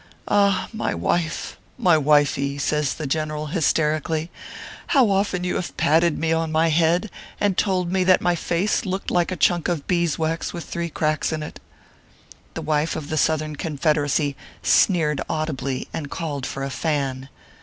Ah ! my wife ! my wifey !" says the general, hysterically, "how often have you patted me on my head, and told me that my face looked like a chunk of beeswax with three cracks in it." The wife of the Southern Confederacy sneered au dibly, and called for a fan.